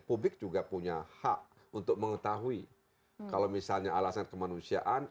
publik juga punya hak untuk mengetahui kalau misalnya alasan kemanusiaan